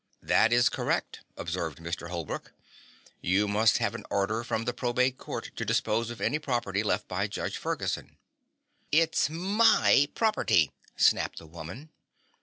"That is correct," observed Mr. Holbrook. "You must have an order from the Probate Court to dispose of any property left by Judge Ferguson." "It's my property!" snapped the woman.